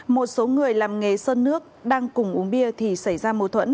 một số người làm nghề sơn nước đang cùng uống bia thì xảy ra mâu thuẫn